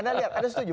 anda lihat ada setuju